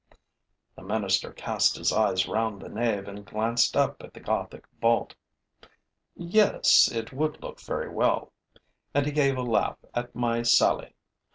The minister cast his eyes round the nave and glanced up at the Gothic vault: 'Yes, it would look very well.' And he gave a laugh at my sally.